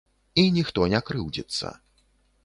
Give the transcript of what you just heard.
І ніхто не крыўдзіцца.